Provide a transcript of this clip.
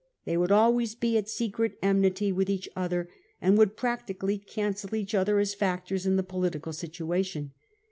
They would always be at secret enmity with each other, and would practically cancel each other as factors in the political situation.